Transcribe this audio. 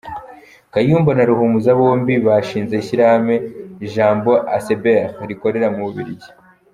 Kayumba na Ruhumuza bombi bashinze Ishyirahamwe Jambo Asbl rikorera mu Bubiligi.